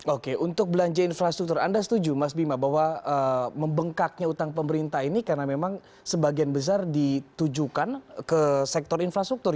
oke untuk belanja infrastruktur anda setuju mas bima bahwa membengkaknya utang pemerintah ini karena memang sebagian besar ditujukan ke sektor infrastruktur